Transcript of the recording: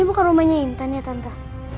ini bukan rumahnya intan ya tante